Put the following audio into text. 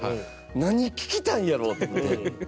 何聞きたいんやろ？と思って。